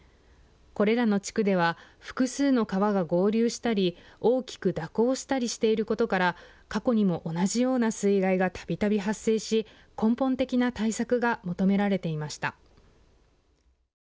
これらの地区では複数の川が合流したり、大きく蛇行したりしていることから過去にも同じような水害がたびたび発生し根本的な対策が求められていました。